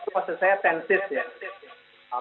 maksud saya tenses ya